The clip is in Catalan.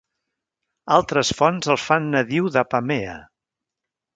Altres fonts el fan nadiu d'Apamea.